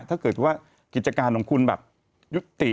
ถ้าเกิดว่ากิจการของคุณแบบยุติ